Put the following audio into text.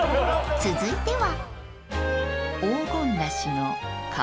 ［続いては］